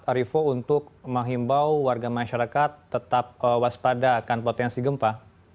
rivo untuk menghimbau warga masyarakat tetap waspada akan potensi gempa